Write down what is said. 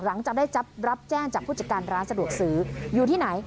หลังจากได้รับแจ้งจากผู้จัดการร้านสะดวกซื้ออยู่ที่ไหน